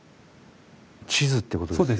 地図ってことですよね？